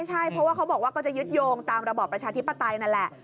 ใช่เพราะว่าเขาบอกว่าก็จะยึดโยงตามระบอบประชาธิปไตยนั่นแหละ